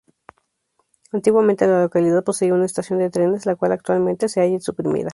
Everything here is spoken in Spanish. Antiguamente la localidad poseía una estación de trenes, la cual actualmente se halla suprimida.